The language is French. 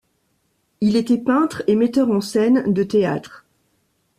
Il était peintre et metteur en scène de théâtre.